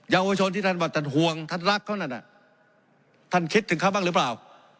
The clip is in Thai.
เยาวชนที่ท่านว่าท่านห่วงท่านรักเขานั่นน่ะท่านคิดถึงเขาบ้างหรือเปล่า